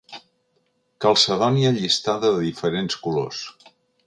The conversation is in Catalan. Calcedònia llistada de diferents colors.